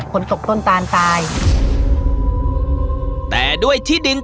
เป็นอย่างไขดีไหม